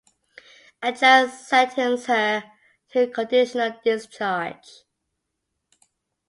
A judge sentenced her to conditional discharge.